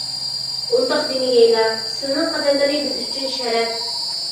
ئۇنداق دېمىگەيلا. سىلىنىڭ قەدەملىرى بىز ئۈچۈن شەرەپ!